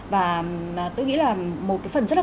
và tôi nghĩ là một cái phần rất là